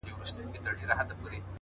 پر جبين باندې لښکري پيدا کيږي-